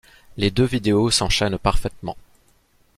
Les deux vidéos s’enchaînent parfaitement.